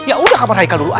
yaudah kamar haikal dulu aja